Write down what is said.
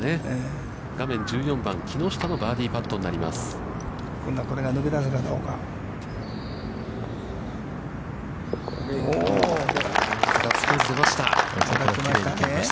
画面は１４番、木下のバーディーパットになります。